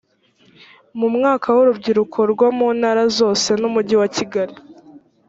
mu mwaka wa urubyiruko rwo mu ntara zose n umujyi wa kigali